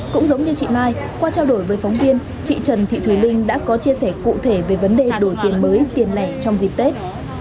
cũng giống như chị mai qua trao đổi với phóng viên chị trần thị thùy linh đã có chia sẻ cụ thể về vấn đề đổi tiền mới tiền lẻ trong dịp tết